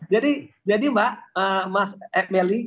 jadi jadi mbak mas ekmeli